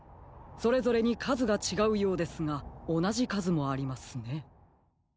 それぞれにかずがちがうようですがおなじかずもありますね。